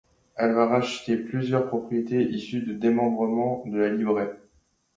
Elle va racheter plusieurs propriétés issues du démembrement de la livrée.